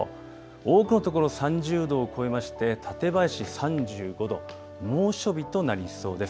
多くの所、３０度を超えまして館林３５度、猛暑日となりそうです。